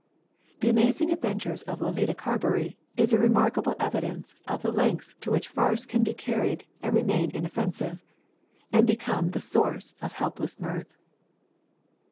The Amazing Adventures of Letitia Carberry is a remark able evidence of the lengths to which farce can be car ried and remain inoffensive and become the source of helpless mirth.